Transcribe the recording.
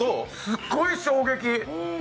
すっごい衝撃。